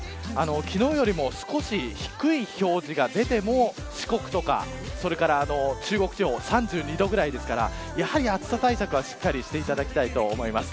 昨日よりも少し低い表示が出ても四国とかそれから中国地方３２度ぐらいですからやはり暑さ対策はしっかりしていただきたいと思います。